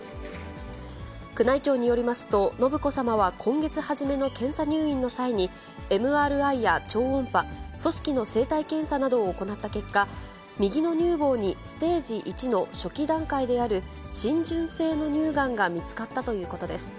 宮内庁によりますと、信子さまは今月初めの検査入院の際に、ＭＲＩや超音波、組織の生体検査などを行った結果、右の乳房にステージ１の初期段階である浸潤性の乳がんが見つかったということです。